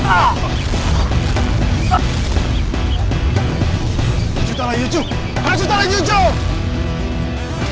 ayo taruh lagi cuk ayo taruh lagi cuk